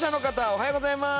おはようございます！